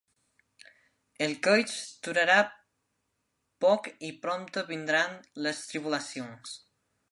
El goig durarà poc i prompte vindran les tribulacions.